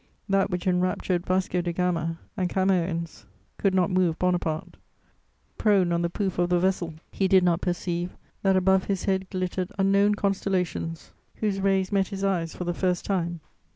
That which enraptured Vasco de Gama and Camoëns could not move Bonaparte: prone on the poop of the vessel, he did not perceive that above his head glittered unknown constellations whose rays met his eyes for the first time.